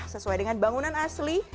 sesuai dengan bangunan asli